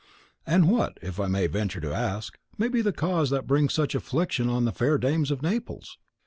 "And what, if I may venture to ask, may be the cause that brings such affliction on the fair dames of Naples?"